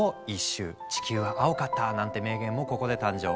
「地球は青かった」なんて名言もここで誕生。